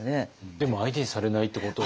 でも相手にされないってことは。